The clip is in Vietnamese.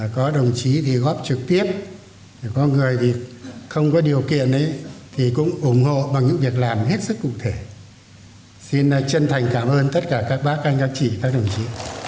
có đồng chí thì góp trực tiếp có người thì không có điều kiện thì cũng ủng hộ bằng những việc làm hết sức cụ thể xin chân thành cảm ơn tất cả các bác các anh các chị các đồng chí